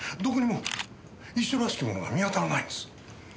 どこにも遺書らしきものが見当たらないんです。